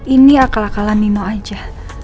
ini akal akalan nino aja